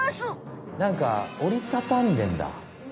なんかおりたたんでんだ。